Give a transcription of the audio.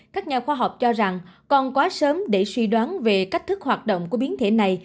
các nhà khoa học cho rằng còn quá sớm để suy đoán về cách thức hoạt động của biến thể này